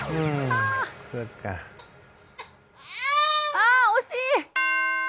あ惜しい！